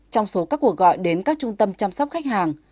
trong số các cuộc gọi đến các trung tâm chăm sóc khách hàng